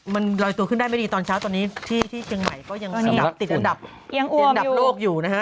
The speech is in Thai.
มันลอยตัวขึ้นได้ไม่ดีตอนเช้าตอนนี้ที่เชียงใหม่ก็ยังติดอันดับโลกอยู่นะฮะ